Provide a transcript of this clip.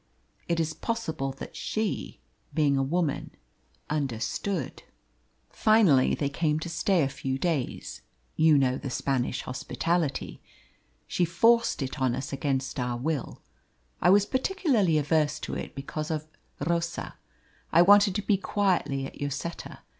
It is possible that she, being a woman, understood. "Finally they came to stay a few days you know the Spanish hospitality. She forced it on us against our will. I was particularly averse to it because of Rosa. I wanted to be quietly at Lloseta.